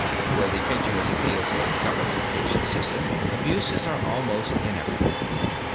Where the pensioners appeal to a government pension system, abuses are almost inevitable.